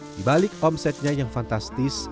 di balik omsetnya yang fantastis